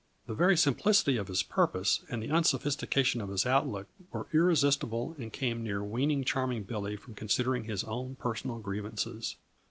The very simplicity of his purpose and the unsophistication of his outlook were irresistible and came near weaning Charming Billy from considering his own personal grievances.